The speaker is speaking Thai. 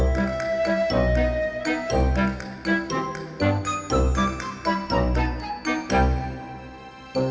ยังดังครับยังดัง